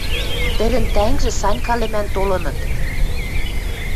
тӹдӹн тӓнгжӹ Санька лӹмӹн толыныт.